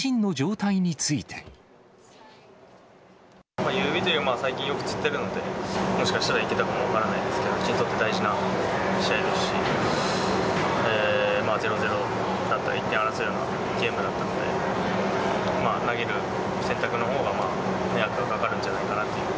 まあ指というより、最近よくつってるので、もしかしたらいけたかも分からないですけど、チームにとっては大事な試合ですし、０ー０だったり、１点を争うようなゲームだったので、投げる選択のほうが、迷惑がかかるんじゃないかなと。